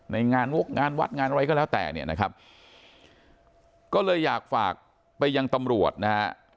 ในงานวกงานวัดงานอะไรก็แล้วแต่เนี่ยนะครับก็เลยอยากฝากไปยังตำรวจนะฮะ